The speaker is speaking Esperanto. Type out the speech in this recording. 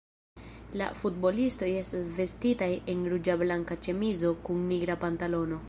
La futbalistoj estas vestitaj en ruĝa-blanka ĉemizo kun nigra pantalono.